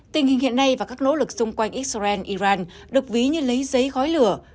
tình hình hiện nay và các nỗ lực xung quanh israel iran được ví như lấy giấy gói lửa